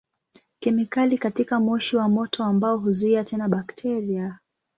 Kemikali katika moshi wa moto wa mbao huzuia tena bakteria.